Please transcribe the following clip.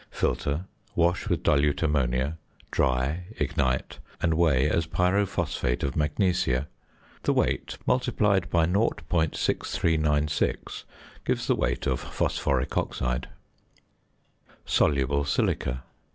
Filter, wash with dilute ammonia, dry, ignite, and weigh as pyrophosphate of magnesia. The weight, multiplied by 0.6396, gives the weight of phosphoric oxide. ~Soluble Silica.